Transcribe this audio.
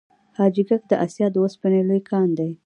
حاجي ګک د اسیا د وسپنې لوی کان دی